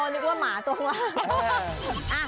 นึกว่าหมาตรงล่าง